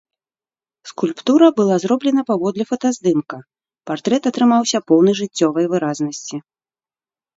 Скульптура была зроблена паводле фотаздымка, партрэт атрымаўся поўны жыццёвай выразнасці.